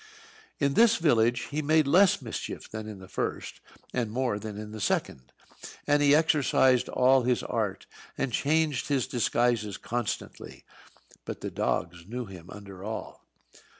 In this village he made less mischief than in the first, and more than in the second. And he exercised all his art, and changed his disguises constantly; but the dogs knew him under all.